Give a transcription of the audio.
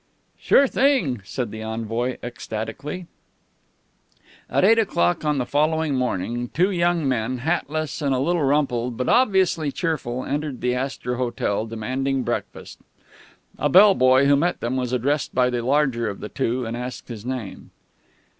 "Sure thing," said the envoy ecstatically. At eight o'clock on the following morning, two young men, hatless and a little rumpled, but obviously cheerful, entered the Astor Hotel, demanding breakfast. A bell boy who met them was addressed by the larger of the two, and asked his name.